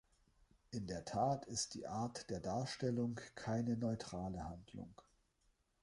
In der Tat ist die Art der Darstellung keine neutrale Handlung.